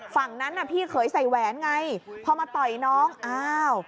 ฝั่งนั้นน่ะพี่เคยใส่แหวนไงพอมาต่อยน้องอ้าว